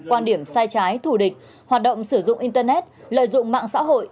quan điểm sai trái thù địch hoạt động sử dụng internet lợi dụng mạng xã hội